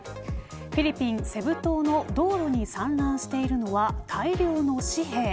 フィリピン、セブ島の道路に散乱しているのは大量の紙幣。